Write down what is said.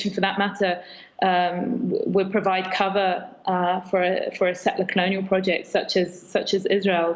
untuk hal tersebut akan memberikan penutupan untuk proyek kolonis setelah setelah israel